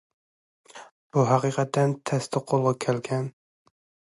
بۇ ھەقىقەتەن تەستە قولغا كەلگەن.